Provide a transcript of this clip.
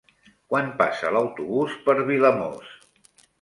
Quan passa l'autobús per Vilamòs?